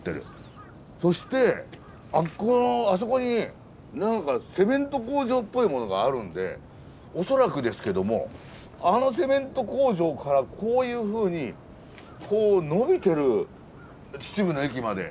そしてあそこに何かセメント工場っぽいものがあるんで恐らくですけどもあのセメント工場からこういうふうにこう延びてる秩父の駅まで。